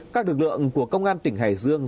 các lực lượng của công an tỉnh hải dương